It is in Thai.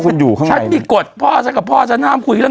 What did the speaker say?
แล้วเธอไปฟังจากใครอ่ะ